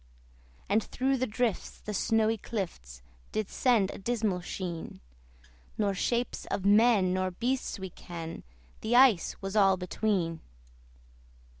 And through the drifts the snowy clifts Did send a dismal sheen: Nor shapes of men nor beasts we ken The ice was all between.